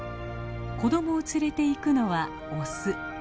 子どもを連れていくのはオス。